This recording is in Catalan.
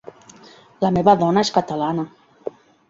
La meva dona és catalana.